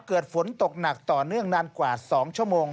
เกิดฝนตกหนักต่อเนื่องนานกว่า๒ชั่วโมง